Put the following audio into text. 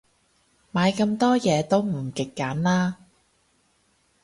買咁多嘢，都唔極簡啦